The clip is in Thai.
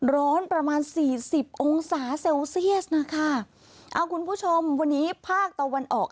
ร้อนประมาณสี่สิบองศาเซลเซียสนะคะเอาคุณผู้ชมวันนี้ภาคตะวันออก